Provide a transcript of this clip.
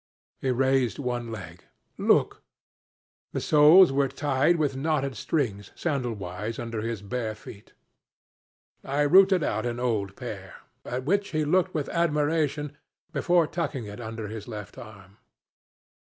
He raised one leg. 'Look.' The soles were tied with knotted strings sandal wise under his bare feet. I rooted out an old pair, at which he looked with admiration before tucking it under his left arm.